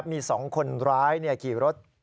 มี๒คนร้ายขี่รถ